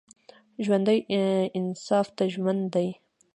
ژوندي انصاف ته ژمن دي